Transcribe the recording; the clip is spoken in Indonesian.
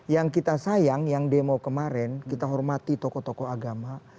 yang kita sayang yang demo kemarin kita hormati tokoh tokoh agama